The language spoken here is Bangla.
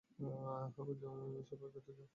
আহমেদ, জলটি সোয়াকার্পেটে যাও।